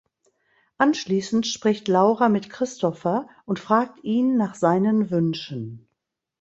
Anschließend spricht Laura mit Christopher und fragt ihn nach seinen Wünschen.